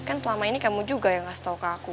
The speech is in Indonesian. kan selama ini kamu juga yang ngasih tau ke aku